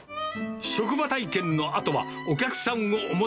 職場体験のあとは、お客さん